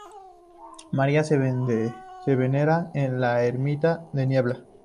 María es venerada en la ermita de Niebla.